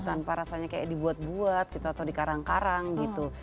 tanpa rasanya kayak dibuat buat gitu atau di karang karang gitu